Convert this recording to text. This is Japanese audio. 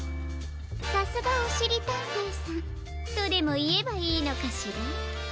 さすがおしりたんていさんとでもいえばいいのかしら？